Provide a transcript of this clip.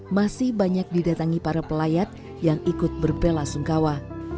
masih banyak didatangi para pelayat yang ikut berbela sungkawa